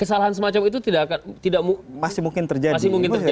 kesalahan semacam itu tidak akan masih mungkin terjadi